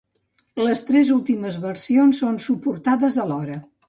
Les tres últimes versions són suportades a l'hora.